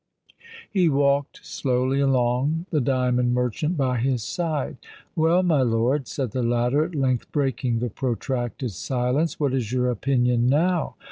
He walked slowly along, the diamond merchant by his side. "Well, my lord," said the latter, at length breaking the protracted silence, "what is your opinion now?"